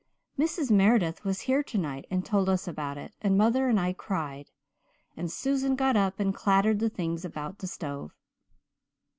Mrs. Meredith was here tonight and told us about it and mother and I cried, and Susan got up and clattered the things about the stove.